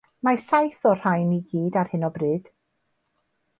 Mae saith o'r rhain i gyd ar hyn o bryd.